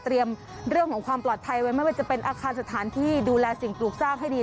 เรื่องของความปลอดภัยไว้ไม่ว่าจะเป็นอาคารสถานที่ดูแลสิ่งปลูกสร้างให้ดี